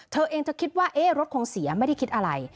เธอเองจะคิดว่ารถคงเสียไม่ได้คิดอะไร